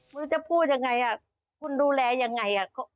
คุณจะพูดอย่างไรคุณดูแลอย่างไร